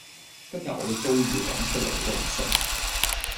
今日我嘅遭遇講出嚟你都唔信